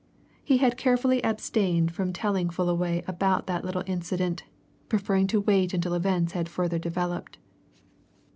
He had carefully abstained from telling Fullaway about that little incident, preferring to wait until events had further developed.